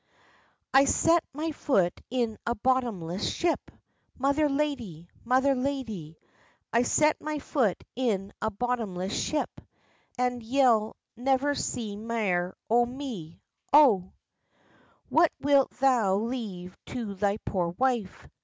"I'll set my foot in a bottomless ship, Mother lady! mother lady! I'll set my foot in a bottomless ship, And ye'll never see mair o' me, O." "What wilt thou leave to thy poor wife?